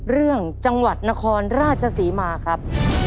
เรื่องจังหวัดนครราชศรีมาครับ